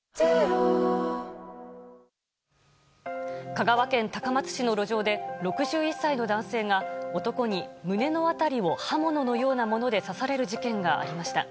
香川県高松市の路上で６１歳の男性が男に胸の辺りを刃物のようなもので刺される事件がありました。